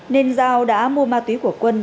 nên giao đã mua ma túy